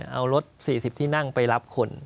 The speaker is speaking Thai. เอารถ๔๐ที่นั่งไปรับคน